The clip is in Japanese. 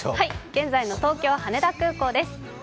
現在の東京・羽田空港です。